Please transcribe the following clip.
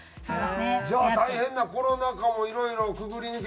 じゃあ大変なコロナ禍もいろいろくぐり抜けて。